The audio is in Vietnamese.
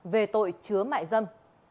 về tội chứa mại dâm